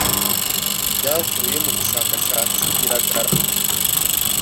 Ibyavuye mu bushakashatsi biragaragara.